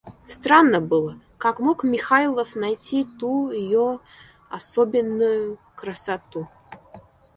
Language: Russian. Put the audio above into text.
Странно было, как мог Михайлов найти ту ее особенную красоту.